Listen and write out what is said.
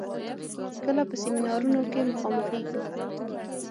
کله په سيمينارونو کې مخامخېږو.